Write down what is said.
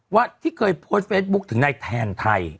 ว่าที่เคยโพสต์เฟซบุ๊คถึงนายแทนไทย